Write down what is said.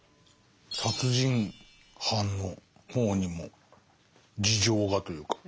殺人犯の方にも事情がというか。